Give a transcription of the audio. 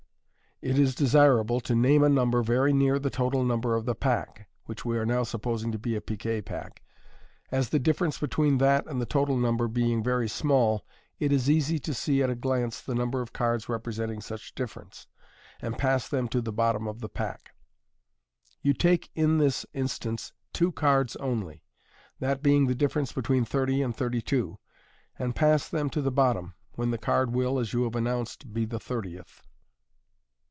It is desir able to name a number very near the total number of the pack (which we are now supposing to be a piquet pack), as the difference between that and the total number being very small, it is easy to see at a glance the number of cards representing such difference, and pass them to the bottom of the pack. You take in this instance two cards only, that being the difference between 30 and 32, and pass them to the bottom, when the card will, as you have announced, be the thirtieth.